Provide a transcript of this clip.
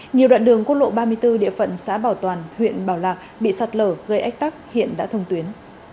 nhiều đoạn đường quốc lộ ba mươi bốn địa phận xã bảo toàn huyện bảo lạc bị sạt lở gây ách tắc hiện đã thông tuyến